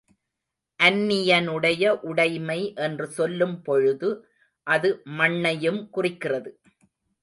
அன்னியனுடைய உடைமை என்று சொல்லும் பொழுது, அது மண்ணையும் குறிக்கிறது.